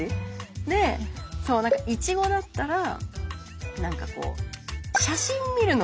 でそう何かイチゴだったら何かこう写真を見るのはイヤだみたいな。